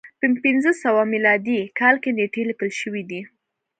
په پنځه سوه میلادي کال کې نېټې لیکل شوې دي.